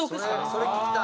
それ聞きたい。